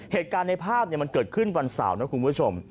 เหตุการณ์ในภาพมันเกิดขึ้นวันเสาร์นะคุณผู้ชม